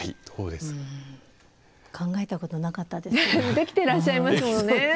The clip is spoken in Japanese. できてらっしゃいますもんね。